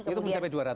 itu mencapai dua ratus